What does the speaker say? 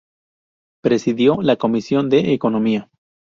Presidió la Comisión de Economía.